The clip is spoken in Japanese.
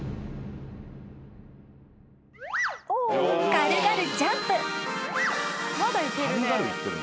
［軽々ジャンプ］